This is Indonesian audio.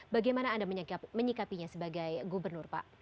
bagaimana anda menyikapinya sebagai gubernur pak